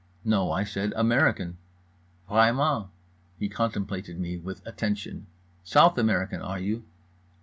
"No" I said, "American." "Vraiment"—he contemplated me with attention. "South American are you?"